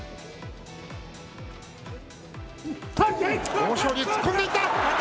豊昇龍突っ込んでいった。